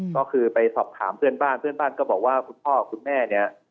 ก็คือไปสอบถามเพื่อนบ้านเพื่อนบ้านก็บอกว่าคุณพ่อคุณแม่เนี่ย